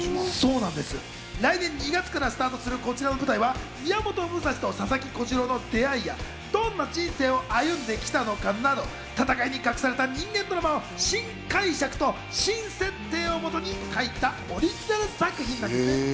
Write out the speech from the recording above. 来年２月からスタートするこちらの舞台は宮本武蔵と佐々木小次郎の出会いや、どんな人生を歩んできたのかなど、戦いに隠された人間ドラマを新解釈と新設定を元に描いたオリジナル作品なんですね。